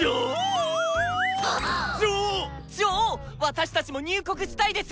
私たちも入国したいです！